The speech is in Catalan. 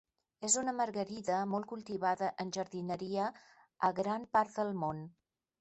És una margarida molt cultivada en jardineria a gran part del món.